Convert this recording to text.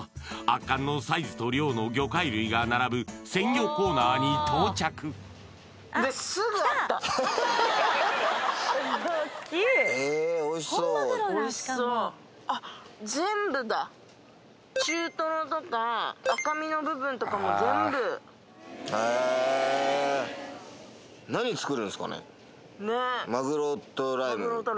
圧巻のサイズと量の魚介類が並ぶ鮮魚コーナーに到着えおいしそうおいしそう中トロとか赤身の部分とかも全部へえねっホント？